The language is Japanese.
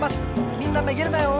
みんなめげるなよ！